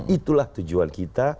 itulah tujuan kita